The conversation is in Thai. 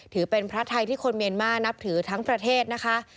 ถือเป็นพระไทยที่คนเมียนมานับถือทั้งประเทศนะคะ